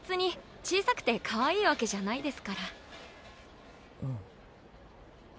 小さくてかわいいわけじゃないですから。